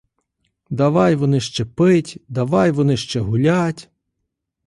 Давай вони ще пить, давай вони ще гулять.